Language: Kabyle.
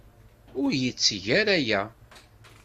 Ur yetteg ara aya.